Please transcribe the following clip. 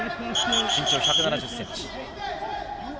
身長１７０ｃｍ。